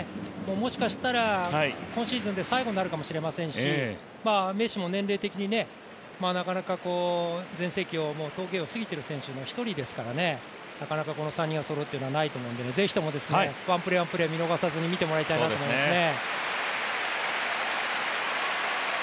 もしかしたら今シーズンで最後になるかもしれませんしメッシも年齢的になかなか全盛期の峠を過ぎている選手の１人ですから、なかなかこの３人がそろうことはないと思いますのでぜひともワンプレー、ワンプレー見逃さずに見てもらえたらなと思いますね。